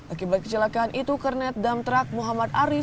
akibat kecelakaan itu kernet dam truk muhammad arif